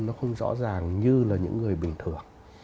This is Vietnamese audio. nó không rõ ràng như là những người bình thường